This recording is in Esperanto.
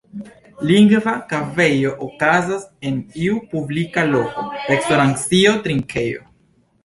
Lingva kafejo okazas en iu publika loko, restoracio, trinkejo.